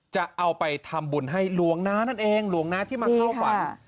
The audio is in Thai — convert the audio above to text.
จะเอาไปทำบุญให้หลวงน้านั่นเองหลวงน้าที่มาเข้าฝัน